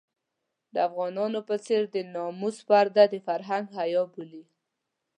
د افغانانو په څېر د ناموس پرده د فرهنګ حيا بولي.